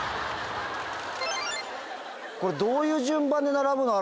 これどういう順番で並ぶの？